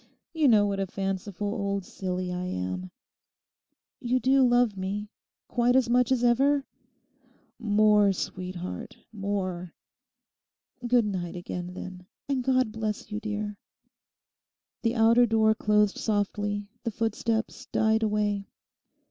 You know what a fanciful old silly I am. You do love me? Quite as much as ever?' 'More, sweetheart, more!' 'Good night again, then; and God bless you, dear.' The outer door closed softly, the footsteps died away.